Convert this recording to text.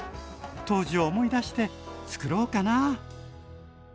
当時を思い出してつくろうかな。